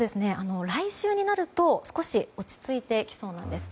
来週になると少し落ち着いてきそうなんです。